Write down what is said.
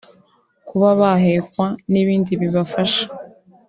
kuba bahekwa n’ibindi bibafasha